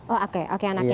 oh oke anaknya